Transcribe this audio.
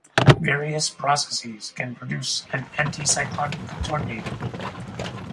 Various processes can produce an anticyclonic tornado.